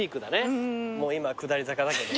もう今下り坂だけどね。